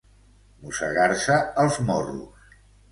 Mossegar-se els morros.